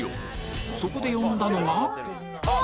そこで呼んだのが